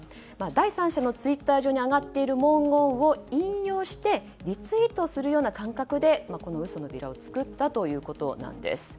第三者のツイッター上に上がっている文言を引用してリツイートするような感覚でこの嘘のビラを作ったということなんです。